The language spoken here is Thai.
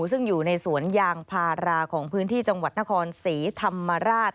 ซึ่งอยู่ในสวนยางพาราของพื้นที่จังหวัดนครศรีธรรมราช